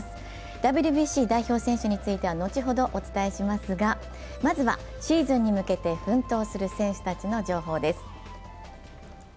ＷＢＣ代表選手については後ほどお伝えしますがまずはシーズンに向けて奮闘する選手たちの情報です。